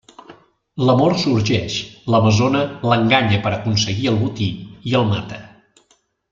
L'amor sorgeix, l'amazona l'enganya per aconseguir el botí i el mata.